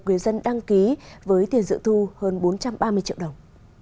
người dân đăng ký với tiền dự thu hơn bốn trăm ba mươi triệu đồng